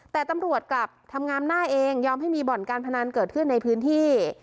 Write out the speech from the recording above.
แต่ตำรวจกลับทำงามหน้าเองยอมให้มีบ่อนการพนันเกิดขึ้นในพื้นที่